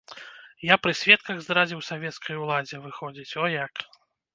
Я пры сведках здрадзіў савецкай уладзе, выходзіць, о як!